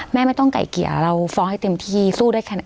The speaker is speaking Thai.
ไม่ต้องไก่เกลี่ยเราฟ้องให้เต็มที่สู้ได้แค่นั้น